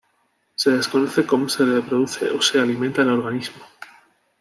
Se desconoce como se reproduce o se alimenta el organismo.